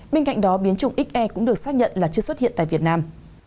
bên cạnh đó biến chủng xe cũng được xác nhận là chưa xuất hiện tại việt nam